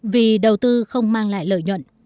vì đầu tư không mang lại lợi nhuận